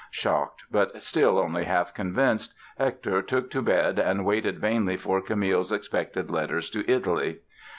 Shocked but still only half convinced, Hector took to bed and waited vainly for Camille's expected letters to Italy.